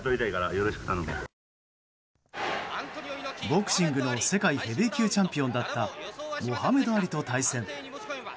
ボクシングの世界ヘビー級チャンピオンだったモハメド・アリと対戦。